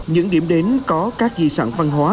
những điểm đến có các di sản văn hóa